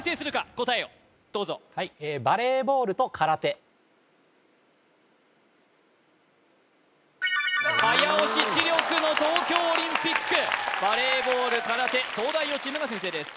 答えをどうぞ早押し知力の東京オリンピックバレーボール・空手東大王チームが先制です